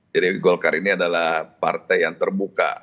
jadi golkar ini adalah partai yang terbuka